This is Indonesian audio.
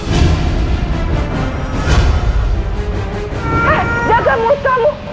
eh jaga murkamu